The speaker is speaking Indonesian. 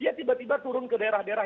dia tiba tiba turun ke daerah daerah